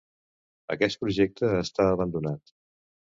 Aquest projecte està abandonat.